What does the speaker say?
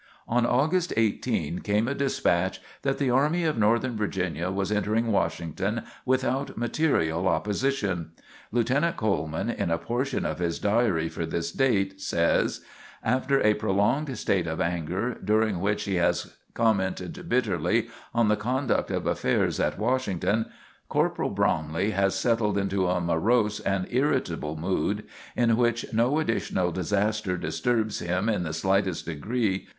On August 18 came a despatch that the Army of Northern Virginia was entering Washington without material opposition. Lieutenant Coleman, in a portion of his diary for this date, says: "After a prolonged state of anger, during which he has commented bitterly on the conduct of affairs at Washington, Corporal Bromley has settled into a morose and irritable mood, in which no additional disaster disturbs him in the slightest degree.